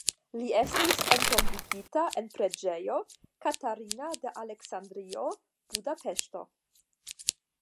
Li estis entombigita en Preĝejo Katarina de Aleksandrio (Budapeŝto).